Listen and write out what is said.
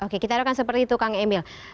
oke kita harapkan seperti itu kang emil